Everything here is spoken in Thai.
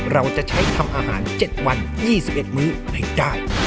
เราจะใช้ทำอาหาร๗วัน๒๑มื้อให้ได้